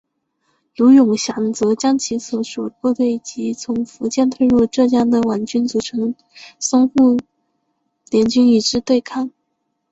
卢永祥则将其所属部队及从福建退入浙江的皖军组成淞沪联军与之对抗。